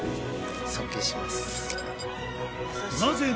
尊敬します。